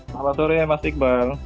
selamat sore mas iqbal